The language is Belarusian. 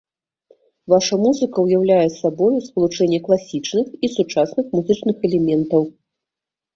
Ваша музыка ўяўляе сабою спалучэнне класічных і сучасных музычных элементаў.